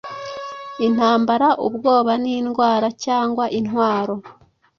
Intambara iteye ubwobanindwara cyangwa intwaro